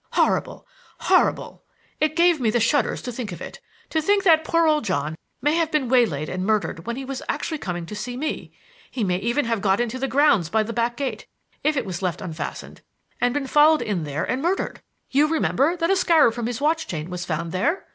Horrible! horrible! It gave me the shudders to think of it to think that poor old John may have been waylaid and murdered when he was actually coming to see me. He may even have got into the grounds by the back gate, if it was left unfastened, and been followed in there and murdered. You remember that a scarab from his watch chain was found there?